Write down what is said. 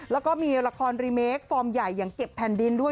แล้วก็มีละครรีเมคฟอร์มใหญ่อย่างเก็บแผ่นดินด้วย